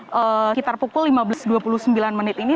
sekitar pukul lima belas dua puluh sembilan menit ini